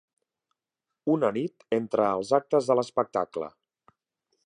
Una nit entre els actes de l'espectacle.